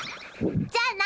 じゃあな。